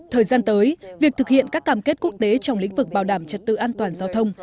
thời gian tới việc thực hiện các cam kết quốc tế trong lĩnh vực bảo đảm trật tự an toàn giao thông